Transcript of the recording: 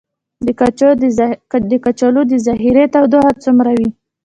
د کچالو د ذخیرې تودوخه څومره وي؟